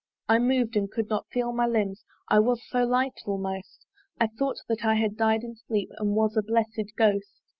I mov'd and could not feel my limbs, I was so light, almost I thought that I had died in sleep, And was a blessed Ghost.